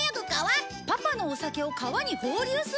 パパのお酒を川に放流する！？